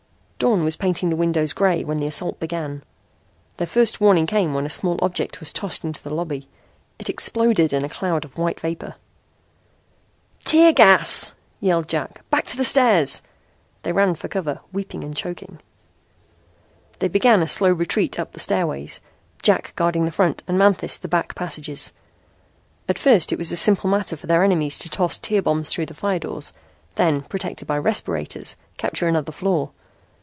Dawn was painting the windows gray when the assault began. Their first warning came when a small object was tossed into the lobby. It exploded in a cloud of white vapor. "Tear gas," yelled Jack. "Back to the stairs." They ran for cover, weeping and choking. Then began a slow retreat up the stairways, Jack guarding the front and Manthis the back passages. At first it was a simple matter for their enemies to toss tear bombs through the fire doors, then, protected by respirators, capture another floor.